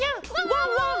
ワンワン！